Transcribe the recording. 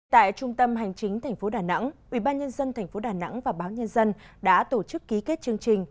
tại trung tâm hành chính tp đà nẵng ubnd tp đà nẵng và báo nhân dân đã tổ chức ký kết chương trình